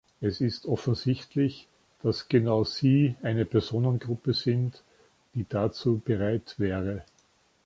Es ist offensichtlich, dass genau sie eine Personengruppe sind, die dazu bereit wäre.